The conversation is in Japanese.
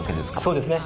そうですね。